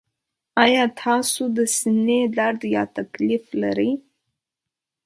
ایا تاسو د سینې درد یا تکلیف لرئ؟